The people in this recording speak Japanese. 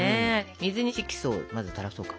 水に色素をまずたらそうか。